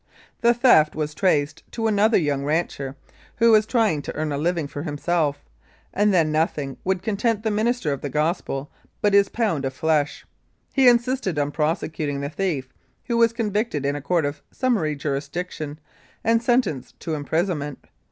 The theft was traced to another young rancher, who was trying to earn a living for himself, and then nothing would content the minister of the gospel but his pound of flesh. He insisted on prosecuting the thief, who was convicted in a court of summary jurisdiction and sentenced to imprisonment.